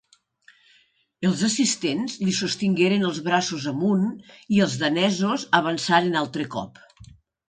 Els assistents li sostingueren els braços amunt i els danesos avançaren altre cop.